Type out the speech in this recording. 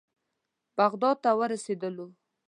بغداد ته ورسېدلو.